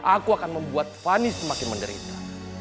aku akan membuat fani semakin menderita